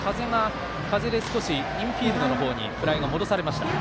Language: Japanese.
風で少しインフィールドの方にフライが戻されました。